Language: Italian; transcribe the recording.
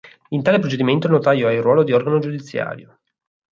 In tale procedimento, il notaio ha il ruolo di organo giudiziario.